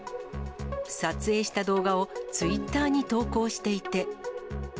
撮影した動画をツイッターに投稿していて。